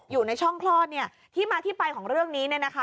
อยู่ในช่องคลอดเนี่ยที่มาที่ไปของเรื่องนี้เนี่ยนะคะ